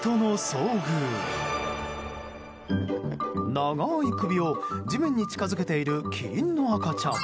長い首を地面に近づけているキリンの赤ちゃん。